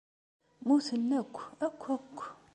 Mmuten akk! Akk! Akk!